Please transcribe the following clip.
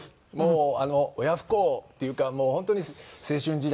親不孝っていうかもう本当に青春時代